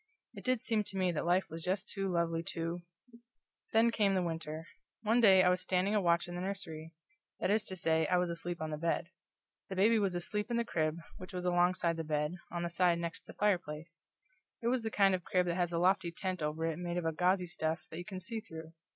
It did seem to me that life was just too lovely to Then came the winter. One day I was standing a watch in the nursery. That is to say, I was asleep on the bed. The baby was asleep in the crib, which was alongside the bed, on the side next the fireplace. It was the kind of crib that has a lofty tent over it made of gauzy stuff that you can see through.